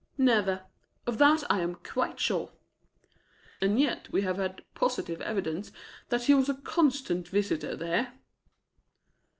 "Never of that I am quite sure." "And yet we have had positive evidence that he was a constant visitor there."